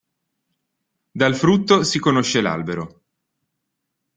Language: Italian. Dal frutto si conosce l'albero.